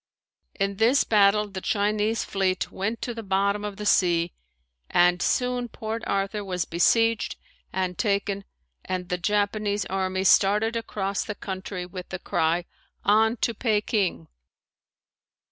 In this battle the Chinese fleet went to the bottom of the sea and soon Port Arthur was besieged and taken and the Japanese army started across the country with the cry, "On to Peking."